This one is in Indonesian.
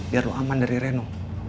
biar lo aman dari reno